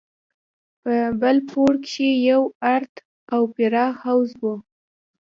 په بل پوړ کښې يو ارت او پراخ حوض و.